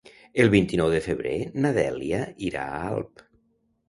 El vint-i-nou de febrer na Dèlia irà a Alp.